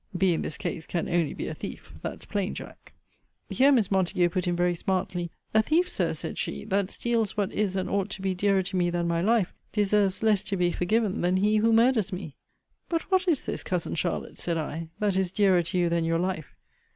[B, in this case, can only be a thief, that's plain, Jack.] Here Miss Montague put in very smartly. A thief, Sir, said she, that steals what is and ought to be dearer to me than my life, deserves less to be forgiven than he who murders me. But what is this, cousin Charlotte, said I, that is dearer to you than your life?